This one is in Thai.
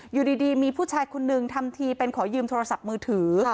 อยู่ดีมีผู้ชายคนนึงทำทีเป็นขอยืมโทรศัพท์มือถือ